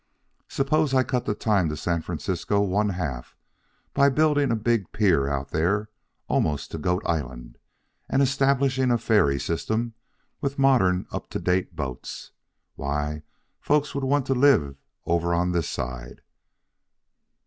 Suppose I cut the time to San Francisco one half by building a big pier out there almost to Goat Island and establishing a ferry system with modern up to date boats? Why, folks will want to live over on this side.